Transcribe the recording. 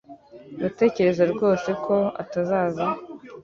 Uratekereza rwose ko atazaza